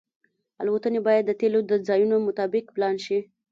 الوتنې باید د تیلو د ځایونو مطابق پلان شي